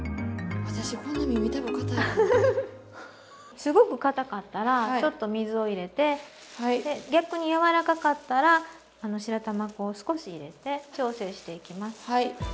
すごくかたかったらちょっと水を入れて逆に柔らかかったら白玉粉を少し入れて調整していきます。